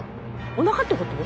おなかってこと？